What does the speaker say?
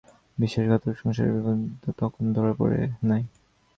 বিশ্বাসঘাতক সংসারের বীভৎসমূর্তি তখনো ধরা পড়ে নাই।